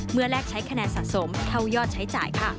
แรกใช้คะแนนสะสมเท่ายอดใช้จ่ายค่ะ